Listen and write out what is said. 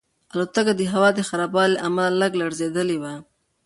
الوتکه د هوا د خرابوالي له امله لږه لړزېدلې وه.